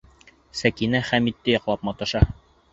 Сәкинә Хәмитте яҡлап маташа.